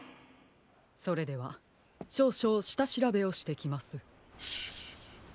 それではしょうしょうしたしらべをしてきます。